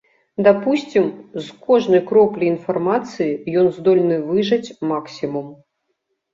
Дапусцім, з кожнай кроплі інфармацыі ён здольны выжаць максімум.